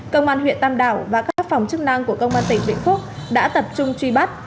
công an huyện tam đảo và các phòng chức năng của công an tỉnh vĩnh phúc đã tập trung truy bắt